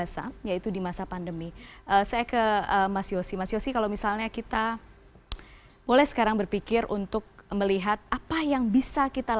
sampai pandemi beres